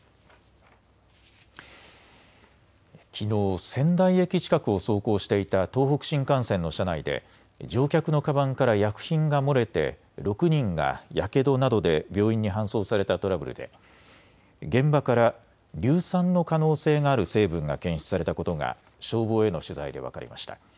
きのう仙台駅近くを走行していた東北新幹線の車内で乗客のかばんから薬品が漏れて６人がやけどなどで病院に搬送されたトラブルで現場から硫酸の可能性がある成分が検出されたことが消防への取材で分かりました。